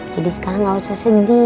jadi sekarang gak usah sedih